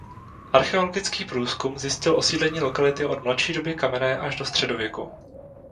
Archeologický průzkum zjistil osídlení lokality od mladší doby kamenné až do středověku.